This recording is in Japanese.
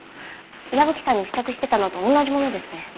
矢吹さんに付着してたのと同じものですね。